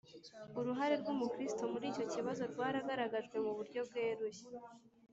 uruhare rw’umukristo muri icyo kibazo rwaragaragajwe mu buryo bweruye